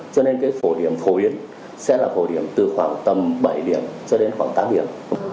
cho nên cái phổ điểm phổ biến sẽ là phổ điểm từ khoảng tầm bảy điểm cho đến khoảng tám điểm